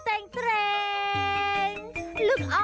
ใบรั่เจ้าใบเจ้า